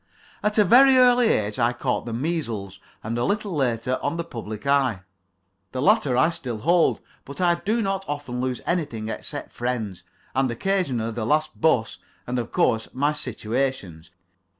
At a very early age I caught the measles and a little later on the public eye. The latter I still hold. But I do not often lose anything except friends, and occasionally the last 'bus, and of course my situations.